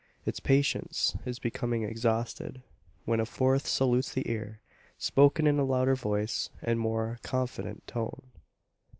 Its patience is becoming exhausted, when a fourth salutes the ear, spoken in a louder voice and more confident tone.